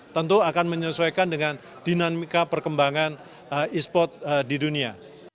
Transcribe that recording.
tentu akan menyesuaikan dengan dinamika perkembangan e sport di dunia